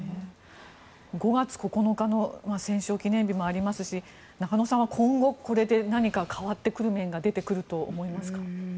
５月９日の戦勝記念日もありますし中野さんは今後、これで何か変わってくる面が出てくると思いますか？